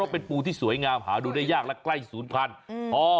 เป็นปูที่สวยงามหาดูได้ยากและใกล้ศูนย์พันธุ์